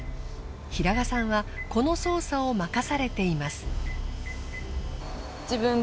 平賀さんはこの操作を任されています。